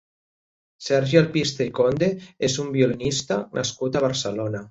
Sergi Alpiste i Conde és un violinista nascut a Barcelona.